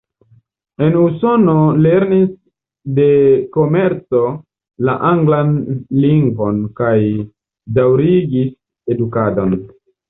En Usono lernis de komenco la anglan lingvon kaj daŭrigis edukadon.